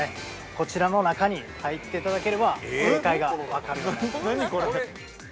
こちらの中に入っていただければ正解が分かるようになってます。